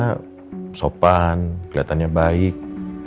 abi mana sopan kelihatannya baik